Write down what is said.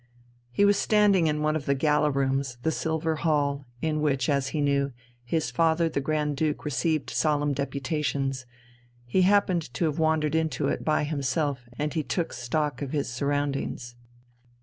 He was standing in one of the "gala rooms," the Silver Hall, in which, as he knew, his father the Grand Duke received solemn deputations he happened to have wandered into it by himself and he took stock of his surroundings.